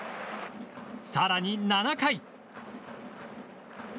更に、７回。